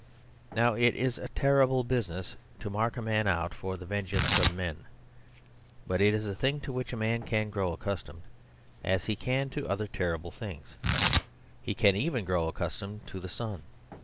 ..... Now it is a terrible business to mark a man out for the vengeance of men. But it is a thing to which a man can grow accustomed, as he can to other terrible things; he can even grow accustomed to the sun.